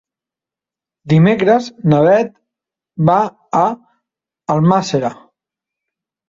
Dimecres na Beth va a Almàssera.